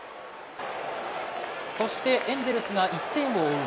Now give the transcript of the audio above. そしてエンゼルスが１点を追う